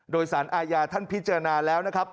โดยสารอาญาท่านพิจารณาแล้วนะครับ